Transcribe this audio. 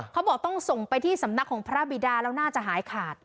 เขาบอกต้องส่งไปที่สำนักของพระบิดาแล้วน่าจะหายขาด